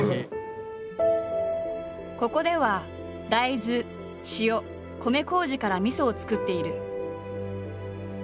ここでは大豆塩米こうじからみそを造っている。